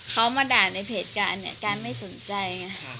เขามาด่านในเพจการเนี้ยการไม่สนใจอย่างเงี้ย